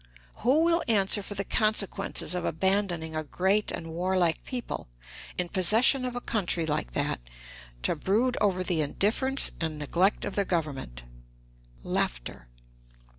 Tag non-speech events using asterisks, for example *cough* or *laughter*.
Who will answer for the consequences of abandoning a great and warlike people, in possession of a country like that, to brood over the indifference and neglect of their Government? *laughs*